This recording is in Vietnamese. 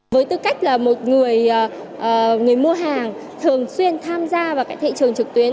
với tư cách là một người mua hàng thường xuyên tham gia vào thị trường trực tuyến